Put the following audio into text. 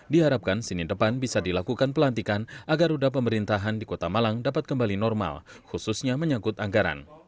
diharapkan senin depan bisa dilakukan pelantikan agar ruda pemerintahan di kota malang dapat kembali normal khususnya menyangkut anggaran